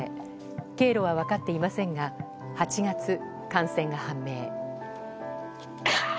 経路は分かっていませんが８月、感染が判明。